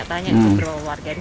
kepada warga ini